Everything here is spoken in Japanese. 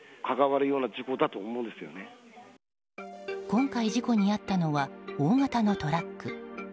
今回、事故に遭ったのは大型のトラック。